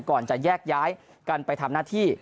ก่อนจะแยกย้ายกันไปทำหน้าที่